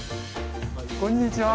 こんにちは。